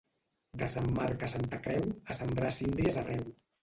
De Sant Marc a Santa Creu, a sembrar síndries arreu.